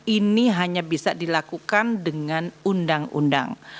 ini hanya bisa dilakukan dengan undang undang